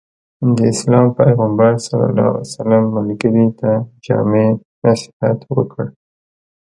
د اسلام پيغمبر ص ملګري ته جامع نصيحت وکړ.